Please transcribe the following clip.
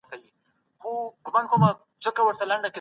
حضوري زده کړه زده کوونکو په کډو تمرينونو کي برخه اخيستل.